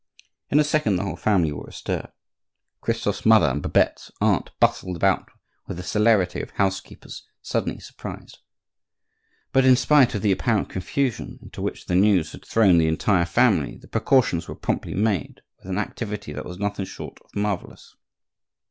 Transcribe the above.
In a second the whole family were astir; Christophe's mother and Babette's aunt bustled about with the celerity of housekeepers suddenly surprised. But in spite of the apparent confusion into which the news had thrown the entire family, the precautions were promptly made, with an activity that was nothing short of marvellous.